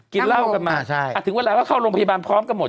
กินเหล้ากันมาถึงเวลาก็เข้าโรงพยาบาลพร้อมกันหมด